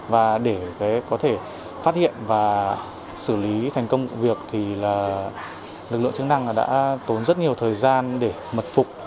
và để có thể phát hiện và xử lý thành công vụ việc thì lực lượng chức năng đã tốn rất nhiều thời gian để mật phục